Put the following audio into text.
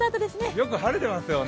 よく晴れてますよね。